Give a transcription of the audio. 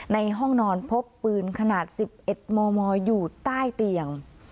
ในห้องนอนพบปืนขนาด๑๑มมอยู่ใต้เตียง